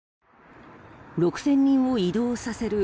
６０００人を移動させる